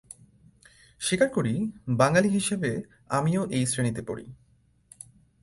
স্বীকার করি, বাঙালি হিসেবে আমিও এই শ্রেণিতে পড়ি।